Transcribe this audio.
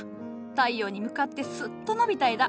太陽に向かってスッと伸びた枝。